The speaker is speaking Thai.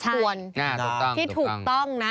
ใช่ถูกต้องนะครับที่ถูกต้อง